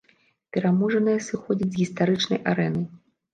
Пераможаныя сыходзяць з гістарычнай арэны.